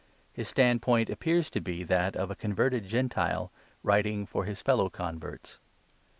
His standpoint appears to be that of a converted Gentile, writing for his fellow converts.